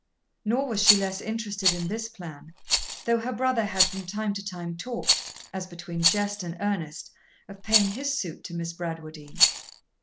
Nor was she less interested in this plan, though her brother had from time to time talked, as between jest and earnest, of paying his suit to Miss Bradwardine.